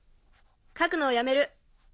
描くのをやめる。